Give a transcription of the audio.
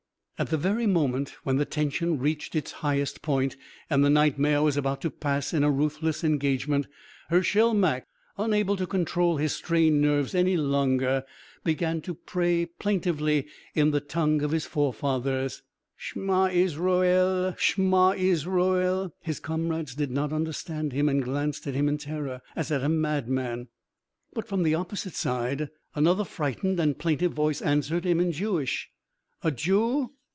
At the very moment, when the tension reached its highest point and the nightmare was about to pass in a ruthless engagement, Hershel Mak, unable to control his strained nerves any longer began to pray plaintively in the tongue of his forefathers. "Shma Isroel! Shma Isroel!" ... His comrades did not understand him and glanced at him in terror, as at a madman, but from the opposite side another frightened and plaintive voice answered him in Jewish: "A Jew!...